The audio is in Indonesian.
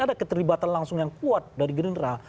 ada keterlibatan langsung yang kuat dari gerindra